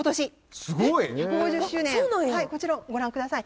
こちらご覧ください。